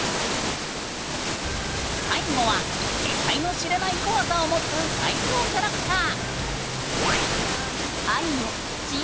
最後は「得体の知れない」恐さを持つ最恐キャラクター！